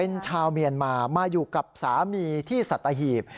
เป็นชาวเมียนมามาอยู่กับสามีที่สัตหีบ